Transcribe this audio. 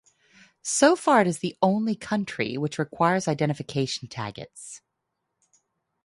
So far it is the only country which requires identification taggants.